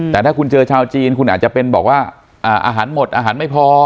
แต่ถ้าคุณเจอชาวจีนคุณอาจจะเป็นบอกว่าอาหารหมดอาหารไม่พอ